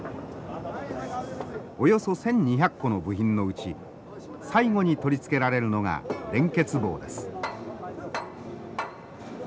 およそ１，２００個の部品のうち最後に取り付けられるのが連結棒です。